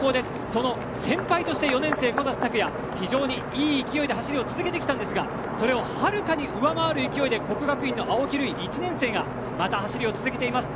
その先輩として４年生、小指卓也非常にいい勢いで走りを続けてきたんですがそれをはるかに上回る勢いで國學院の青木瑠郁１年生がまた走りを続けています。